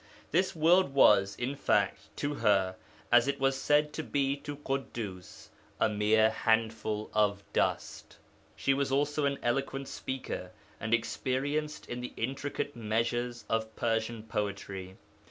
This world was, in fact, to her, as it was said to be to Ḳuddus, a mere handful of dust. She was also an eloquent speaker and experienced in the intricate measures of Persian poetry.